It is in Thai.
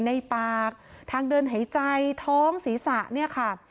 ในปากทางเดินหายใจท้องศีรษะเนี่ยค่ะ